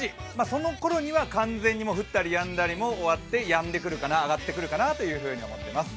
そのころには完全に降ったりやんだりも終わってやんでくるかな、あがってくるかなと思っています。